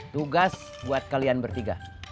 tugas buat kalian bertiga